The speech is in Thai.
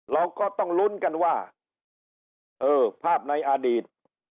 เราก็ต้องลุ้นกันว่าเออภาพในอดีต